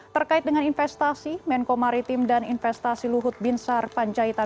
terkait dengan investasi menko maritim dan investasiluhut binsar panjaitan